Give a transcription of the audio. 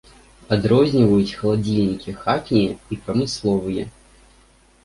Адрозніваюць халадзільнікі хатнія і прамысловыя.